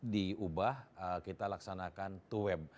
diubah kita laksanakan to web